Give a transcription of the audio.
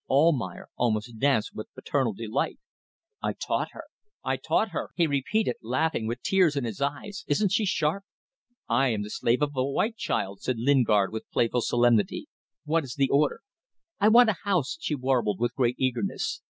Almayer almost danced with paternal delight. "I taught her. I taught her," he repeated, laughing with tears in his eyes. "Isn't she sharp?" "I am the slave of the white child," said Lingard, with playful solemnity. "What is the order?" "I want a house," she warbled, with great eagerness.